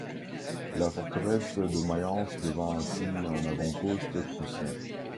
La forteresse de Mayence devint ainsi un avant-poste prussien.